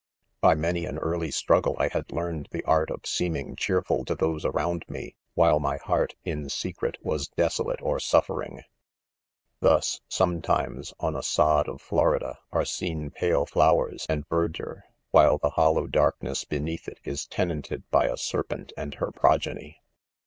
By many an early struggle I had learn ed the art of seeming cheerful to those around me, while my .heart, in secret, was desolate or suffering. I Thus, sometimes, on a sod'of Flor Jida, are seen pale flowers and verdure, while I the hollow darkness beneath it, is tenanted by l a serpent and her progeny.